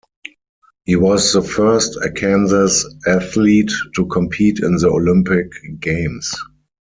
He was the first Arkansas athlete to compete in the Olympic Games.